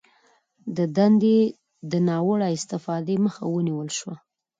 د دندې د ناوړه استفادې مخه ونیول شوه